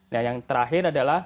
nah yang terakhir adalah